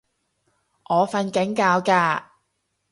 我訓緊覺㗎